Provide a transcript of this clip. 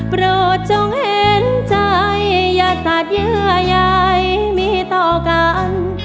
โปรดจงเห็นใจอย่าตัดเยื่อใยมีต่อกัน